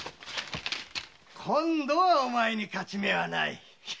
今度はお前に勝ち目はない。